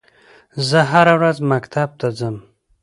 زه هره ورځ مکتب ته ځم